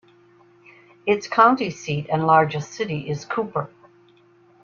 Its county seat and largest city is Cooper.